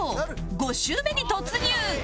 ５周目に突入